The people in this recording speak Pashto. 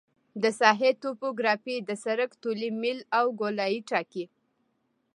د ساحې توپوګرافي د سرک طولي میل او ګولایي ټاکي